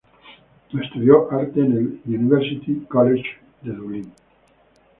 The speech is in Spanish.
Estudio Arte en el University College Dublin.